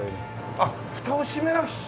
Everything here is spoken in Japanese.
あっフタを閉めなくちゃ。